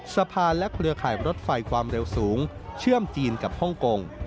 สะพานและเครือข่ายรถไฟความเร็วสูงเชื่อมจีนกับฮ่องกง